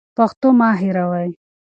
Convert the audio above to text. پښتو مه هېروئ.